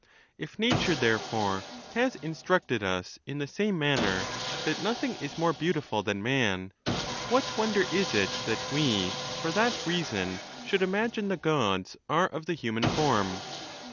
If natnre, therefore, has instructed us in the same manner, that nothing is more beautiful than man, what wonder is it that we, for that reason, should imagine the Gods are of the human form?